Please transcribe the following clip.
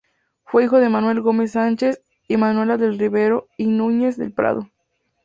Fue hijo de Manuel Gómez Sánchez y Manuela del Rivero y Núñez del Prado.